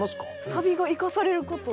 サビが生かされること。